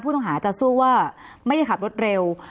ต้องหาจะสู้ว่าไม่ได้ขับรถเร็ว